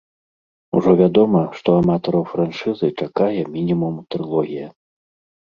Ужо вядома, што аматараў франшызы чакае мінімум трылогія.